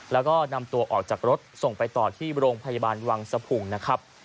แล้วก็นำตัวออกจากรถส่งไปต่อที่โรงพยาบาลวังสะพุงนะครับ